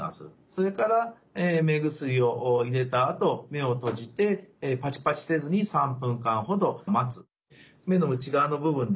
それから目薬を入れたあと目を閉じてパチパチせずに３分間ほど待つ。